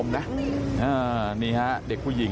เฮ้ยเฮ้ยเฮ้ยเฮ้ยเฮ้ยเฮ้ยเฮ้ยเฮ้ย